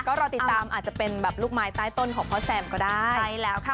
ก็รอติดตามอาจจะเป็นแบบลูกไม้ใต้ต้นของพ่อแซมก็ได้